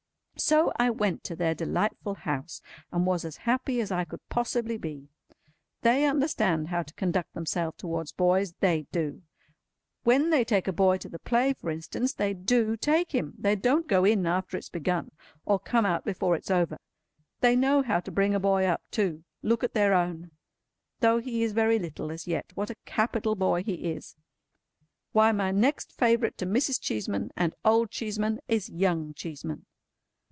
So I went to their delightful house, and was as happy as I could possibly be. They understand how to conduct themselves towards boys, they do. When they take a boy to the play, for instance, they do take him. They don't go in after it's begun, or come out before it's over. They know how to bring a boy up, too. Look at their own! Though he is very little as yet, what a capital boy he is! Why, my next favourite to Mrs. Cheeseman and Old Cheeseman, is young Cheeseman.